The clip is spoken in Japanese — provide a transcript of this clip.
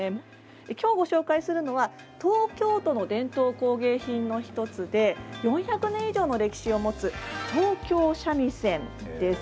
きょうご紹介するのは東京都の伝統工芸品の１つで４００年以上の歴史を持つ東京三味線です。